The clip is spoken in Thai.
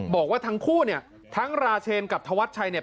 บอกว่าทั้งคู่เนี่ยทั้งราเชนกับธวัชชัยเนี่ย